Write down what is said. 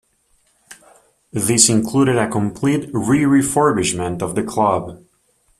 This included a complete re-refurbishment of the club.